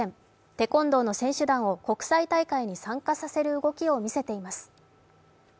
テコンドーの選手団を国際大会に参加させる動きを見せています。